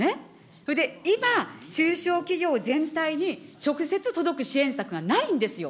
それで今、中小企業全体に直接届く支援策がないんですよ。